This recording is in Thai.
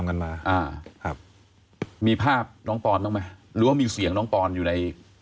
มีภาพน้องปอนด์ต้องมั้ยหรือว่ามีเสียงน้องปอนด์อยู่ใน